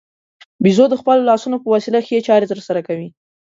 بیزو د خپلو لاسونو په وسیله ښې چارې ترسره کوي.